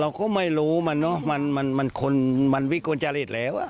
เราก็ไม่รู้มันเนอะมันคนมันวิกลจริตแล้ว